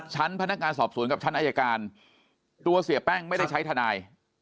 ชั้นพนักงานสอบสวนกับชั้นอายการตัวเสียแป้งไม่ได้ใช้ทนาย